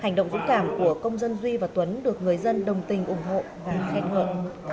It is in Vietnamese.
hành động dũng cảm của công dân duy và tuấn được người dân đồng tình ủng hộ và khen ngợi